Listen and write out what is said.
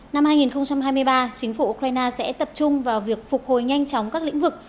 năm hai nghìn hai mươi ba chính phủ ukraine sẽ tập trung vào việc phục hồi nhanh chóng các lĩnh vực